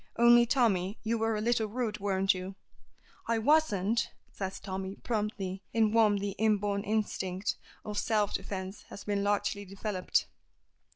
Only, Tommy, you were a little rude, weren't you?" "I wasn't," says Tommy, promptly, in whom the inborn instinct of self defence has been largely developed.